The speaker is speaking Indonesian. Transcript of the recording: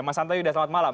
mas antayuda selamat malam